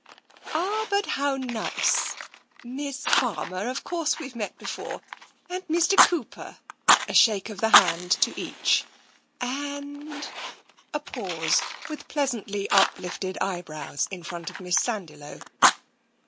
" Ah, but how nice ! Miss Farmer, of course we've TENSION 35 met before ; and Mr. Cooper "— a shake of the hand to each. " And ?" A pause, with pleasantly up lifted eyebrows, in front of Miss Sandiloe.